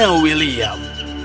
dan dimana william